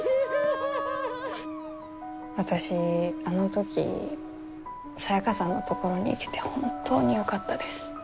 私あの時サヤカさんのところに行けて本当によかったです。